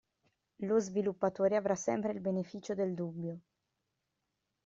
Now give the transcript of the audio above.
Lo sviluppatore avrà sempre il beneficio del dubbio.